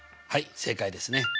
はい正解ですね。